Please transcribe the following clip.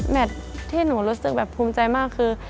ที่หนูรู้สึกแบบภูมิใจมากคือ